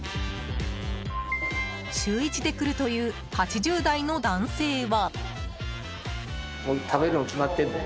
週１で来るという８０代の男性は。